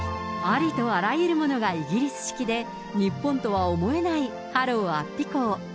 ありとあらゆるものがイギリス式で、日本とは思えないハロウ安比校。